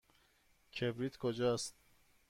کبریت کجاست؟